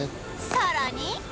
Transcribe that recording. さらに